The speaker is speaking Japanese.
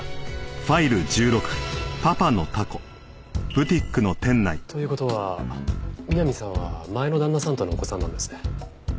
父親が２人。という事は美波さんは前の旦那さんとのお子さんなんですね。